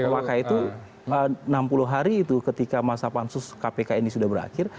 maka itu enam puluh hari itu ketika masa pansus kpk ini sudah berakhir